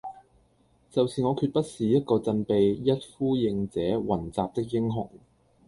就是我決不是一個振臂一呼應者雲集的英雄。